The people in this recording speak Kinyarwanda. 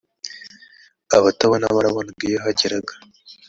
abatabona barabonaga iyoyahageraga.